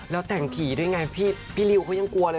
แล้วแต่งผีด้วยไงพี่ริวเขายังกลัวเลย